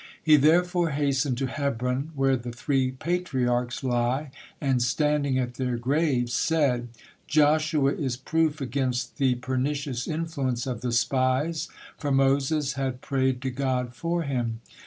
He therefore hastened to Hebron where the three Patriarchs lie, and, standing at their graves, said: "Joshua is proof against the pernicious influence of the spies, for Moses had prayed to God for him.